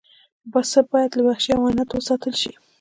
پسه باید له وحشي حیواناتو وساتل شي.